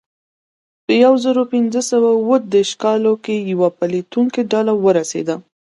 په یو زرو پینځه سوه اوه دېرش کال کې یوه پلټونکې ډله ورسېده.